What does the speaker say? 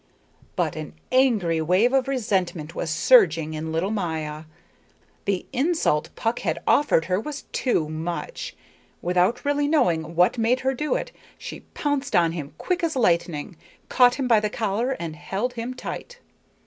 But an angry wave of resentment was surging in little Maya. The insult Puck had offered her was too much. Without really knowing what made her do it, she pounced on him quick as lightning, caught him by the collar and held him tight.